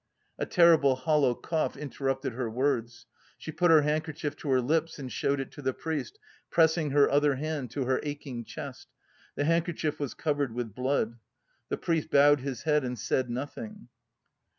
A terrible hollow cough interrupted her words. She put her handkerchief to her lips and showed it to the priest, pressing her other hand to her aching chest. The handkerchief was covered with blood. The priest bowed his head and said nothing.